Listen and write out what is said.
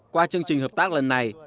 qua chương trình hợp tác lần này